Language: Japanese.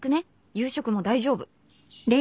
「夕食も大丈夫！」